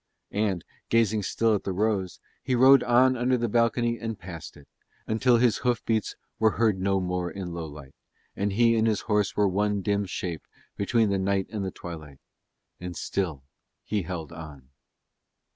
And, gazing still at the rose, he rode on under the balcony, and passed it, until his hoof beats were heard no more in Lowlight and he and his horse were one dim shape between the night and the twilight. And still he held on.